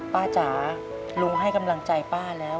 จ๋าลุงให้กำลังใจป้าแล้ว